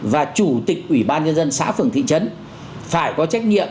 và chủ tịch ủy ban nhân dân xã phường thị trấn phải có trách nhiệm